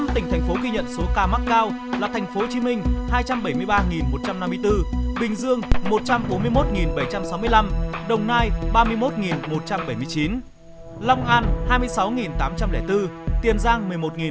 năm tỉnh thành phố ghi nhận số ca mắc cao là thành phố hồ chí minh hai trăm bảy mươi ba một trăm năm mươi bốn bình dương một trăm bốn mươi một bảy trăm sáu mươi năm đồng nai ba mươi một một trăm bảy mươi chín long an hai mươi sáu tám trăm linh bốn tiền giang một mươi một một trăm năm mươi chín